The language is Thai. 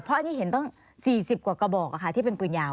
เพราะอันนี้เห็นตั้ง๔๐กว่ากระบอกที่เป็นปืนยาว